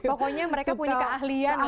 pokoknya mereka punya keahlian